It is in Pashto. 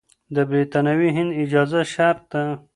د برتانوي هند اجازه شرط ده.